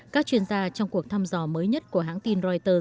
các chuyên gia trong cuộc thăm dò mới nhất của hãng tin reuters